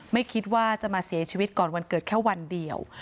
ไม่คิดว่าจะมาเสียชีวิตก่อนวันเกิดแค่วันเดียว